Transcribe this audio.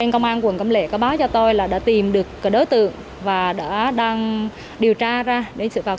công an quận câm lệ có báo cho tôi là đã tìm được đối tượng và đã đang điều tra ra đến sự phạt